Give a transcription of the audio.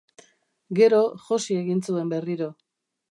Gero, josi egin zuen berriro.